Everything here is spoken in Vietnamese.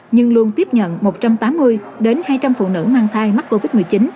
nhưng luôn tiếp nhận một trăm tám mươi hai trăm linh phụ nữ mang thai mắc covid một mươi chín